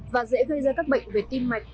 và dễ gây ra các bệnh về tim mạch